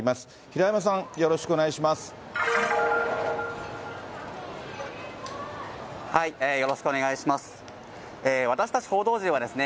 平山さん、よろしくお願いします。